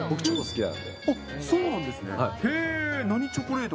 チョコレート。